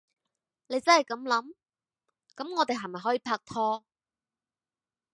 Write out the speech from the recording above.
你真係噉諗？噉我哋係咪可以拍拖？